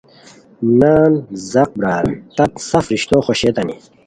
نان، زاق برار، تت سف رشتوخوشئیتانی